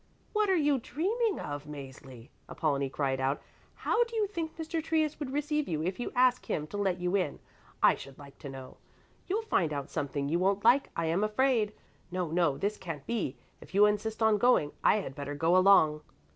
"What are you dreaming of, Mäzli?" Apollonie cried out. "How do you think Mr. Trius would receive you if you ask him to let you in, I should like to know? You'll find out something you won't like, I am afraid. No, no, this can't be. If you insist on going, I had better go along."